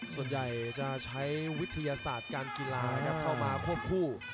ส่วนใหญ่จะใช้วิทยาศาสตร์การกีฬาเข้ามาควบคู่